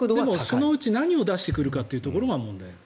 そのうち何を出してくるのかというのが問題。